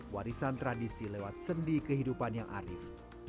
warisan tradisi lewat sendi kehidupan yang arif